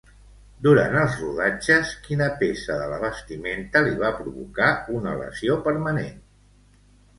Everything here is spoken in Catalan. Durant els rodatges, quina peça de la vestimenta li va provocar una lesió permanent?